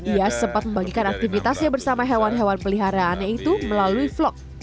ia sempat membagikan aktivitasnya bersama hewan hewan peliharaannya itu melalui vlog